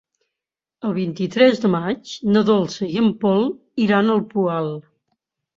El vint-i-tres de maig na Dolça i en Pol iran al Poal.